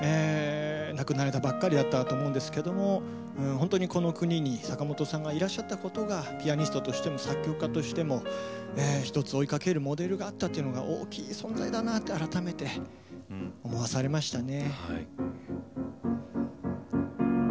亡くなられたばっかりだったと思うんですけども本当にこの国に坂本さんがいらっしゃったことがピアニストとしても作曲家としても一つ追いかけるモデルがあったというのが大きい存在だなと改めて思わされましたね。